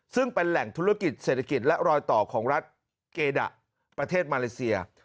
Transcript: ซึ่งเป็นแหล่งธุรกิจเศรษฐกิจและรอยต่อของรัฐเกดะประเทศมาเลเซีย